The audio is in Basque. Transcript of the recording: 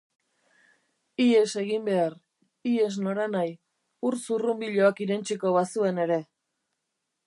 Ihes egin behar, ihes noranahi, ur-zurrunbiloak irentsiko bazuen ere.